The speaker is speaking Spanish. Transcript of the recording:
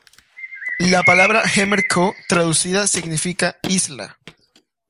La palabra jemer Koh, traducida significa isla.